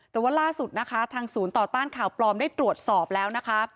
แต่ว่าล่าสุดนะคะทางศูนย์ต่อต้านข่าวปลอมได้ตรวจสอบแล้วนะคะ